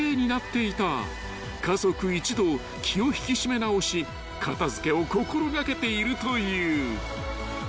［家族一同気を引き締め直し片付けを心掛けているという］